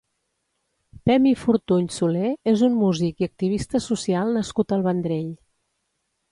Pemi Fortuny Soler és un músic i activista social nascut al Vendrell.